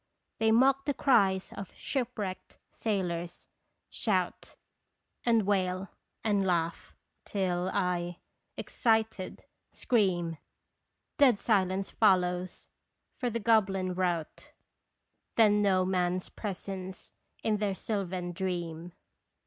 They mock the cries of shipwrecked sailors ; shout, And wail, and laugh, till I, excited, scream Dead silence follows ! for the goblin rout Then know man's presence in their sylvan dream.